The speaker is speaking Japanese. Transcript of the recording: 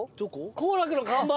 「幸楽」の看板。